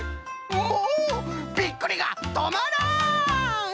もうびっくりがとまらん！